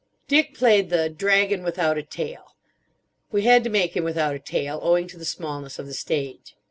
Dick played the "Dragon without a Tail." We had to make him without a tail owing to the smallness of the stage.